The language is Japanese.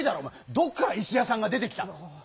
どっから「いしやさん」が出てきたの？